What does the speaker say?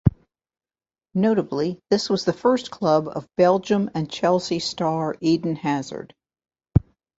Notably, this was the first club of Belgium and Chelsea star Eden Hazard.